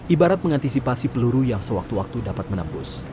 ibarat mengantisipasi peluru yang sewaktu waktu dapat menembus